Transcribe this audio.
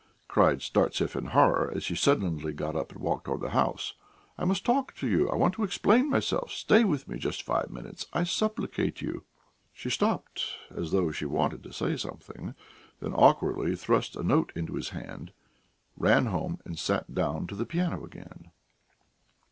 cried Startsev in horror, as she suddenly got up and walked towards the house. "I must talk to you; I want to explain myself.... Stay with me just five minutes, I supplicate you!" She stopped as though she wanted to say something, then awkwardly thrust a note into his hand, ran home and sat down to the piano again.